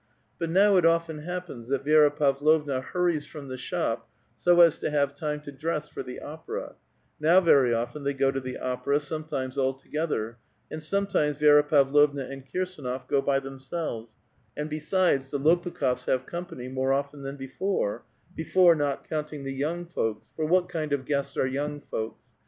But now it often happens that Vi^ra Pavlovua hurries from the shop, Bo as to have time to dress for the opera : now very often they go to the opera, sometimes all together, and sometimes Vi^raPavlovna and Kirs^nof go by themselves ; and besides, the Lopukhof s have company more often than before, — before Hot counting the young folks ; for what kind of guests are young folks?